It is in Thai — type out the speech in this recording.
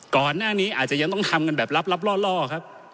ก่อนหน้านี้อาจจะยังต้องทำกันแบบลับล่อครับ